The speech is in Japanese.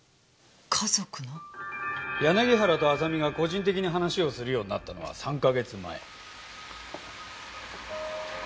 柳原と亜沙美が個人的に話をするようになったのは３か月前。